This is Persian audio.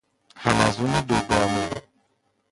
حلزون دو گامه